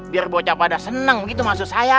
biar bocah pada seneng gitu maksud saya